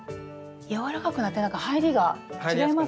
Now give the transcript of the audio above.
柔らかくなってなんか入りが違いますね。